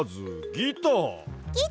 ギター？